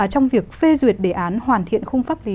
trong việc phê duyệt đề án hoàn thiện khung pháp lý